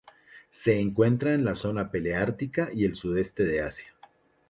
Se encuentra en la zona paleártica y el Sudeste de Asia.